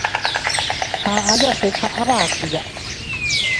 Aʼayase kaʼa bakuya.